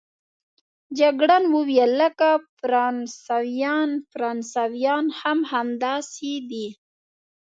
جګړن وویل: لکه فرانسویان، فرانسویان هم همداسې دي.